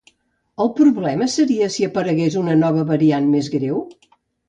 El problema seria si aparegués una nova variant més greu?